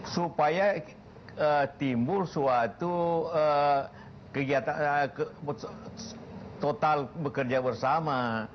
supaya timbul suatu kegiatan total bekerja bersama